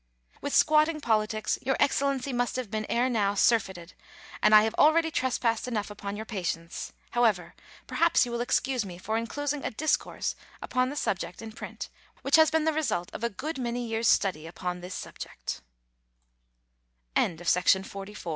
227 With squatting politics Your Excellency must have been ere now surfeited, and I have already trespassed enough upon your patience. However, perhaps you will excuse me for enclosing a " discourse " upon the subject in print, which has been the result of a good many years' study upon